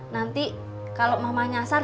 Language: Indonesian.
nanti kalau mama nyasar